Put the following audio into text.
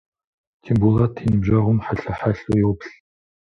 Тембулэт и ныбжьэгъум хьэлъэ-хьэлъэу йоплъ.